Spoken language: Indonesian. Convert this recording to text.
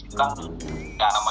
kita tidak mencukupi pengangguran